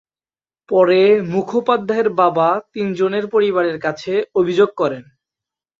পরে মুখোপাধ্যায়ের বাবা তিনজনের পরিবারের কাছে অভিযোগ করেন।